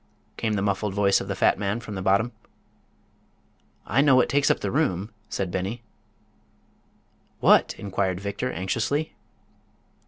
came the muffled voice of the fat man from the bottom. "I know what takes up the room," said Beni. "What?" inquired Victor, anxiously.